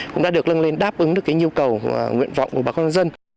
cũng đã được lân lên đáp ứng được cái nhu cầu nguyện vọng của bà con dân